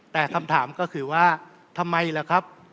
แต่คำถามก็คือว่าทำไมล่ะครับ